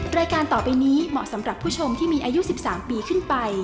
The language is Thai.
รายการต่อไปนี้เหมาะสำหรับผู้ชมที่มีอายุ๑๓ปีขึ้นไป